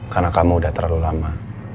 karena kamu udah terlalu lama